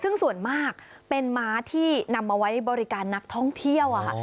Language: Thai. ซึ่งส่วนมากเป็นม้าที่นำมาไว้บริการนักท่องเที่ยว